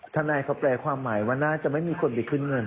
ทนายเขาแปลความหมายว่าน่าจะไม่มีคนไปขึ้นเงิน